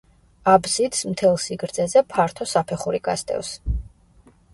აბსიდს, მთელ სიგრძეზე, ფართო საფეხური გასდევს.